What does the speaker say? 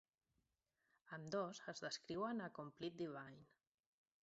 Ambdós es descriuen a "Complete Divine".